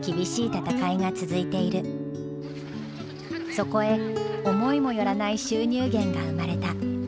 そこへ思いも寄らない収入源が生まれた。